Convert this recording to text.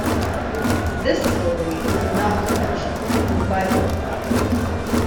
This story is not mentioned in the Bible.